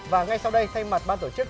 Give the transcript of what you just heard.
và ngay sau đây thay mặt ban tổ chức